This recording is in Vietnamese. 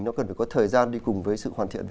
nó cần phải có thời gian đi cùng với sự hoàn thiện